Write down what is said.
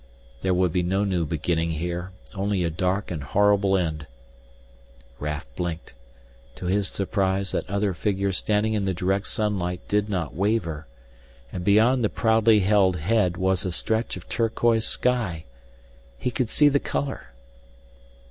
There would be no new beginning here, only a dark and horrible end." Raf blinked; to his surprise that other figure standing in the direct sunlight did not waver, and beyond the proudly held head was a stretch of turquoise sky. He could see the color!